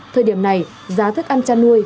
thời điểm này giá thức ăn chăn nuôi